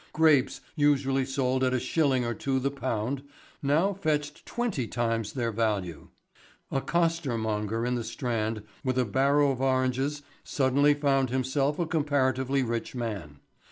Grapes usually sold at a shilling or two the pound now fetched twenty times their value. A costermonger in the Strand with a barrow of oranges suddenly found himself a comparatively rich man.